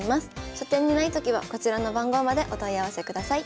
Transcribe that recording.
書店にないときはこちらの番号までお問い合わせください。